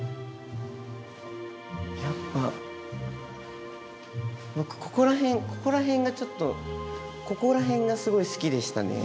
やっぱ僕ここら辺ここら辺がちょっとここら辺がすごい好きでしたね。